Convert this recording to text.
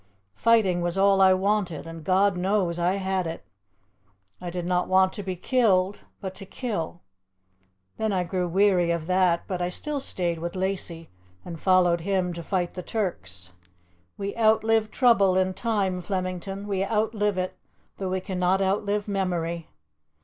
Fighting was all I wanted, and God knows I had it. I did not want to be killed, but to kill. Then I grew weary of that, but I still stayed with Lacy, and followed him to fight the Turks. We outlive trouble in time, Flemington; we outlive it, though we cannot outlive memory.